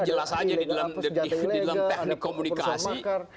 jelas saja di dalam teknik komunikasi